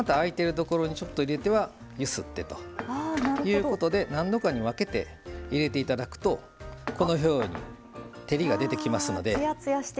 ところにちょっと入れては揺すってということで何度かに分けて入れていただくと照りが出てきますので。